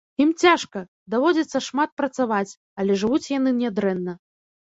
Ім цяжка, даводзіцца шмат працаваць, але жывуць яны нядрэнна.